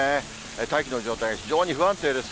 大気の状態、非常に不安定です。